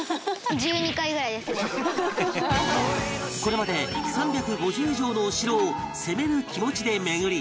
これまで３５０以上のお城を攻める気持ちで巡り